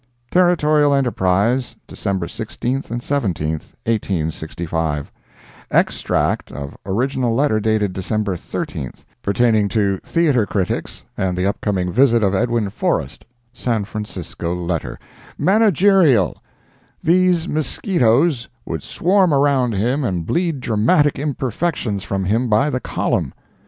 Territorial Enterprise, December 16 17, 1865 [extract of original letter dated December 13—pertaining to theater critics and the upcoming visit of Edwin Forrest] San Francisco Letter MANAGERIAL These mosquitoes would swarm around him and bleed dramatic imperfections from him by the column.